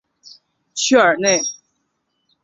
屈尔内。